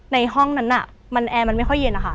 ในห้องนั้นมันแอร์มันไม่ค่อยเย็นนะคะ